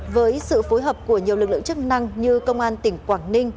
với sự phối hợp của nhiều lực lượng chức năng như công an tỉnh quảng ninh